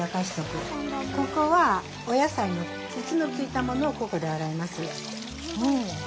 ここはお野さいの土のついたものをここで洗います。